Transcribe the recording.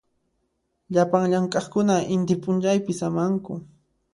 Llapan llamk'aqkuna inti p'unchaypi samanku.